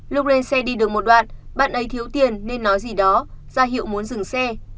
lúc lên xe đi đường một đoạn bạn ấy thiếu tiền nên nói gì đó ra hiệu muốn dừng xe